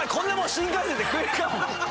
新幹線で食えるか。